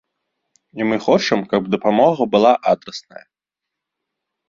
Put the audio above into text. І мы хочам, каб дапамога была адрасная.